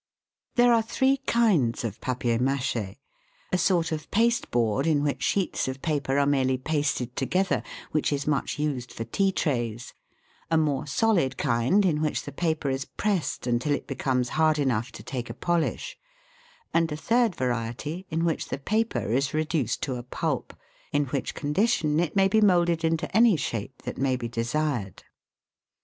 There are three kinds of papier m&che: a sort of pasteboard, in which sheets of paper are merely pasted together, which is much used for tea trays ; a more solid kind, in which the paper is pressed until it becomes hard enough to take a polish ; and a third variety, in which the paper is reduced to a pulp, in which condition it may be moulded into any shape that may be desired.